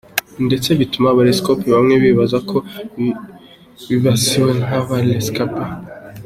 Ndetse bituma aba rescapés bamwe bibaza ko bibasiwe nk’aba rescapés.